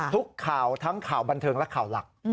ทุกข่าวทั้งข่าวบันเทิงและข่าวหลัก